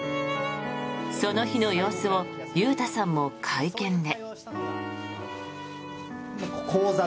その日の様子を裕太さんも会見で。